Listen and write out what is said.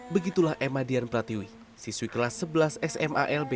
begitulah emma dian pratiwi siswi kelas sebelas sma lb